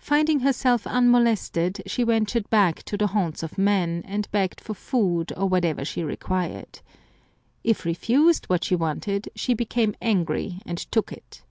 Finding herself unmolested, she ventured back to the haunts of men, and begged for food or whatever she required. If refused what she wanted, she became angry and took it.